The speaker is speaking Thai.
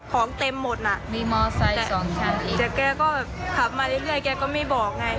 ของเต็มหมดน่ะมีมอร์ไซส์สองชั้นอีกแต่แกก็แบบขับมาเรื่อยเรื่อยแกก็ไม่บอกไง